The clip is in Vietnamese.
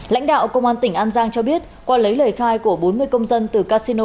lãnh đạo công an tỉnh an giang cho biết qua lấy lời khai của bốn mươi công dân từ casino